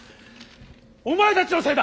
お前たちのせいだ！